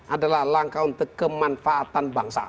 adalah langkah untuk kemanfaatan bangsa